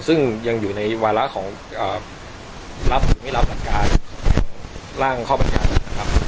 ซึ่งยังอยู่ในวาระของรับหรือไม่รับหลักการร่างข้อบรรยัตินะครับ